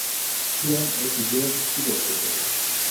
توی این اپیزود چی گفته شده؟